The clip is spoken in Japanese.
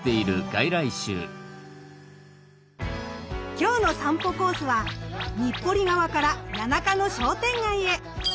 今日の散歩コースは日暮里側から谷中の商店街へ。